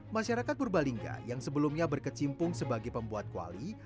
masyarakat purbalingga yang sebelumnya berkecimpung sebagai pembuat kuali